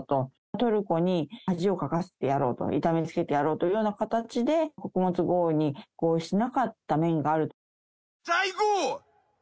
トルコに恥をかかせてやろうと、痛めつけてやろうというような形で、穀物合意に合意しなかった面がある。